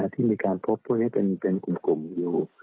ที่มีการพบพวกนี้เป็นกลุ่มอยู่